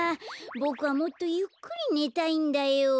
ボクはもっとゆっくりねたいんだよ。